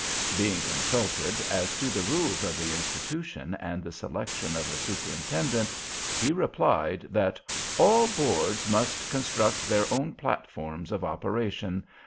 Being consulted as to the Rules of the Institution and the selection of a Superintendent, he replied, that "all Boards must construct their own Platforms of operation.